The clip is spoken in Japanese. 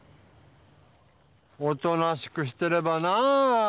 おとなしくしてればなぁ。